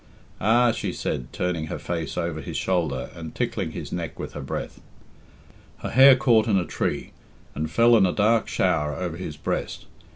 "Ah!" she said, turning her face over his shoulder, and tickling his neck with her breath. Her hair caught in a tree, and fell in a dark shower over his breast.